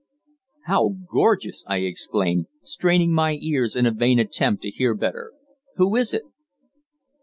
"How gorgeous!" I exclaimed, straining my ears in a vain attempt to hear better. "Who is it?"